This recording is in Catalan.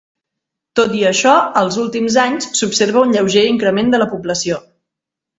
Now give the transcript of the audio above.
Tot i això, els últims anys s'observa un lleuger increment de la població.